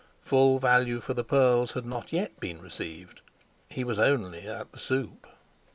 Full value for the pearls had not yet been received; he was only at the soup.